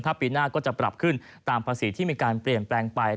ถ้าปีหน้าก็จะปรับขึ้นตามภาษีที่มีการเปลี่ยนแปลงไป